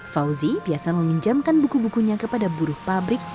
fauzi biasa meminjamkan buku bukunya kepada buruh pabrik